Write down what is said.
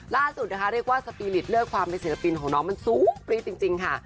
ล่าสุดนะคะเรียกว่สปีลิตเลือกความเป็นเศรษฐ์ฟิลของน้องมันสู้ปลีนจริงจริงค่ะ